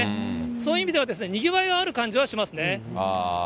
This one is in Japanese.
その意味では、にぎわいがある感じはしますね。